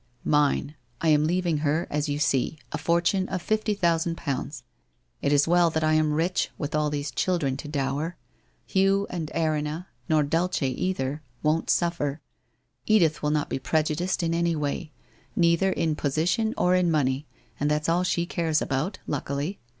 ' Mine. I am leaving her, as you see, a fortune of fifty thousand pounds. It is well that I am rich, witli all these children to dower. Hugh and Frinna, nor Dulce either, won't .suffer. Edith will not be prejudiced in any way — neither in position or in money, and that's all she cares about, luckily.